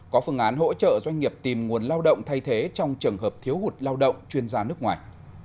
có phương án hỗ trợ doanh nghiệp tìm nguồn lao động thay thế trong trường hợp thiếu hụt lao động chuyên gia nước ngoài